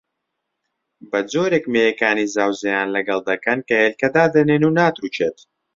بەجۆرێک مێیەکانی زاوزێیان لەگەڵ دەکەن کە هێلکە دادەنێن و ناتروکێت